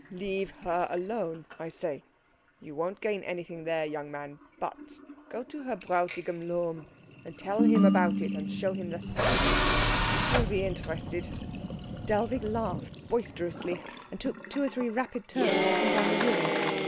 "Leave her alone, I say. You won't gain anything there, young man. But go to her Bräutigam Lohm and tell him about it, and show him the stuff. He'll be interested." Dellwig laughed boisterously, and took two or three rapid turns up and down the room.